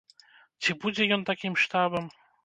Ці будзе ён такім штабам?